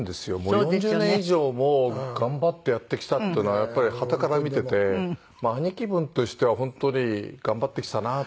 ４０年以上も頑張ってやってきたっていうのはやっぱりはたから見ていて兄貴分としては本当に頑張ってきたなって。